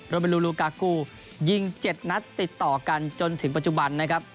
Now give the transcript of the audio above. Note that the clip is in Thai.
เบลลูกากูยิง๗นัดติดต่อกันจนถึงปัจจุบันนะครับ